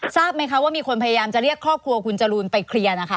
ทราบไหมคะว่ามีคนพยายามจะเรียกครอบครัวคุณจรูนไปเคลียร์นะคะ